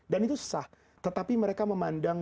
dan itu susah tetapi mereka memandang